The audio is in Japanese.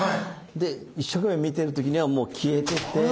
で一生懸命見てる時にはもう消えてて。